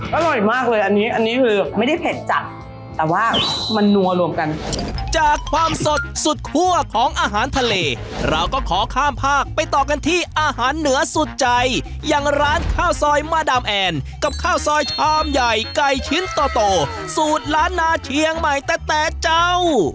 อร่อยมากเลยอันนี้อันนี้คือไม่ได้เผ็ดจัดแต่ว่ามันนัวรวมกันจากความสดสุดคั่วของอาหารทะเลเราก็ขอข้ามภาคไปต่อกันที่อาหารเหนือสุดใจอย่างร้านข้าวซอยมาดามแอนกับข้าวซอยชามใหญ่ไก่ชิ้นโตสูตรร้านนาเชียงใหม่แต่แต่เจ้า